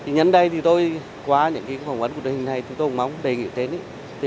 nhân đây thì tôi qua những phòng quản của đất nước này chúng tôi cũng mong đề nghị thế này